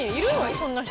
そんな人。